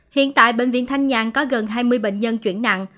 hiện tại bệnh viện thanh nhàn có gần hai mươi bệnh nhân chuyển nặng